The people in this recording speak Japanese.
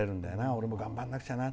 俺も頑張らなくちゃな。